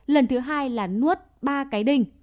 lần thứ hai là nuốt ba cái đinh